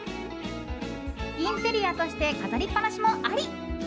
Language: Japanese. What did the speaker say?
インテリアとして飾りっぱなしもあり。